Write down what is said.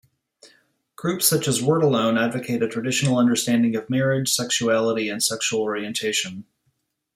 Groups such as WordAlone advocate a traditional understanding of marriage, sexuality and sexual orientation.